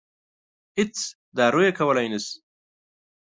هېڅ دارو یې کولای نه شي.